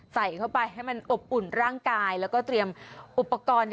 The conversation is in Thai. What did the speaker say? ใส่เข้าไปให้มันอบอุ่นร่างกายแล้วก็เตรียมอุปกรณ์